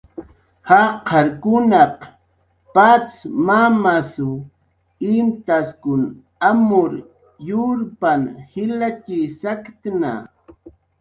jaqarkunaq patz mamasw imtaskun amur yakipna jilatxi saktna